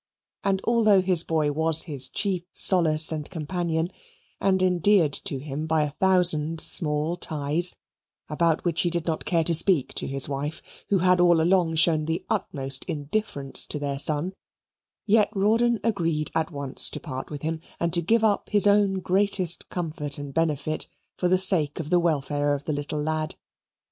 And although his boy was his chief solace and companion, and endeared to him by a thousand small ties, about which he did not care to speak to his wife, who had all along shown the utmost indifference to their son, yet Rawdon agreed at once to part with him and to give up his own greatest comfort and benefit for the sake of the welfare of the little lad.